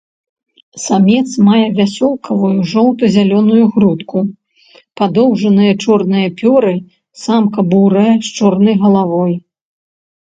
Самец мае вясёлкавую жоўта-зялёную грудку, падоўжаныя чорныя пёры, самка бурая, з чорнай галавой.